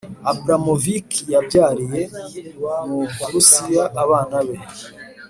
abramovic yabyariye mu burusiya abana be